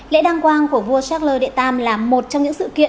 lễ đăng quang của vua charles iii là một trong những sự kiện